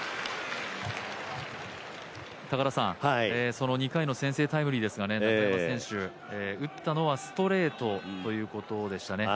その２回の先制タイムリーですが中山選手打ったのはストレートということでしたね。